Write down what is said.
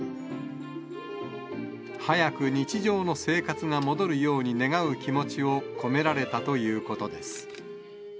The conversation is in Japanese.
早く日常の生活が戻るように願う気持ちを込められたということです。